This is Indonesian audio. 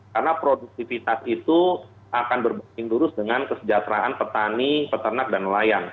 karena produktivitas itu akan berbaring lurus dengan kesejahteraan petani peternak dan nelayan